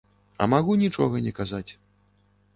А магу нічога не казаць.